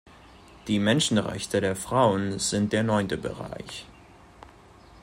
Die Menschenrechte der Frauen sind der neunte Bereich.